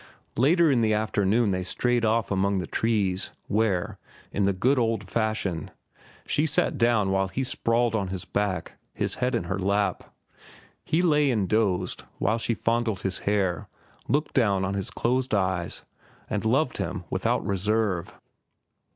Later in the afternoon they strayed off among the trees, where, in the good old fashion, she sat down while he sprawled on his back, his head in her lap. He lay and dozed, while she fondled his hair, looked down on his closed eyes, and loved him without reserve.